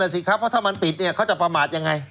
สิครับเพราะถ้ามันปิดเนี่ยเขาจะประมาทยังไง